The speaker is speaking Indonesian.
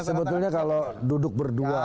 sebetulnya kalau duduk berdua